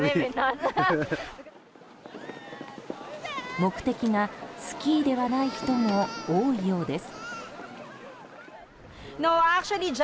目的がスキーではない人も多いようです。